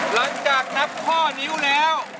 หลังจากนับข้อนิ้วแล้ว